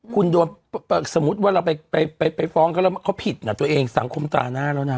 คุณโดนสมมุติว่าเราไปฟ้องเขาแล้วเขาผิดนะตัวเองสังคมตาหน้าแล้วนะ